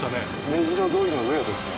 目白通りの上をですね